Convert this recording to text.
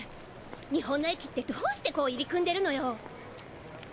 日本の駅ってどうしてこう入り組んでるのよ！